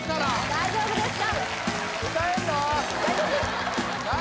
大丈夫ですか？